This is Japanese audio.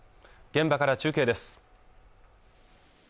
現場から中継です